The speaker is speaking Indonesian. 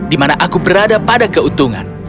di mana aku berada pada keuntungan